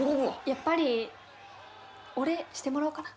やっぱりお礼してもらおうかな。